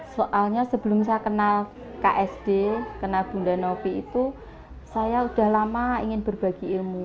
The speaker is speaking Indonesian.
soalnya sebelum saya kenal ksd kenal bunda novi itu saya udah lama ingin berbagi ilmu